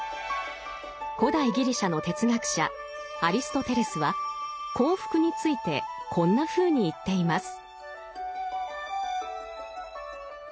古代ギリシャの哲学者アリストテレスは幸福についてこんなふうに言っています。